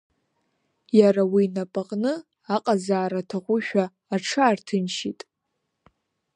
Иара уи инапаҟны аҟазаара аҭахушәа аҽаарҭынчит.